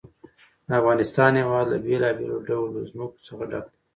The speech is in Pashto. د افغانستان هېواد له بېلابېلو ډولو ځمکه څخه ډک دی.